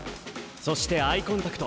そしてアイコンタクト。